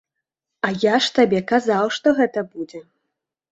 А я ж табе казаў, што гэта будзе.